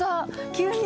急に。